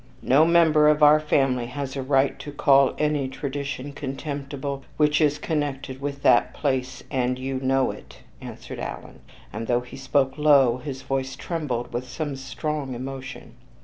"No member of our family has a right to call any tradition contemptible which is connected with that place, and you know it," answered Alan; and though he spoke low, his voice trembled with some strong emotion.